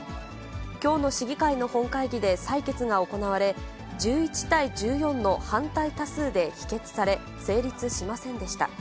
きょうの市議会の本会議で採決が行われ、１１対１４の反対多数で否決され、成立しませんでした。